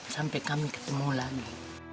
sampai kami ketemu lagi